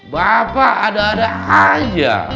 bapak ada ada aja